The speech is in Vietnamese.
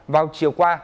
vào chiều qua